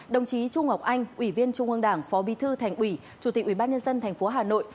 đồng chí trung ngọc anh ủy viên trung ương đảng phó bí thư thành ủy chủ tịch ubnd tp hà nội